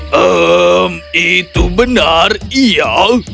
hmm itu benar iya